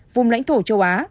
vùng lãnh thổ châu á